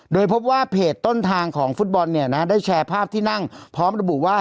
โดยพบว่าเพจต้นทางของฟุตบอลเนี่ยนะได้แชร์ภาพที่นั่งพร้อมระบุว่า